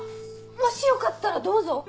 もしよかったらどうぞ。